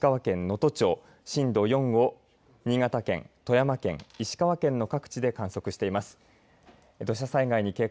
また震度５弱を石川県能登町震度４を新潟県、富山県石川県の各地で観測しています。